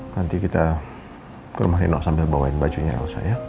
nanti kita ke rumah nino sambil bawain bajunya elsa ya